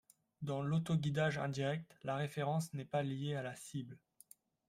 Dans l’autoguidage indirect, la référence n’est pas liée à la cible.